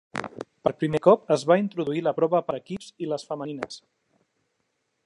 Per primer cop es va introduir la prova per equips i les femenines.